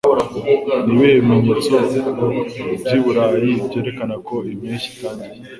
Ni ibihe bimenyetso by’iburayi byerekana ko impeshyi itangiye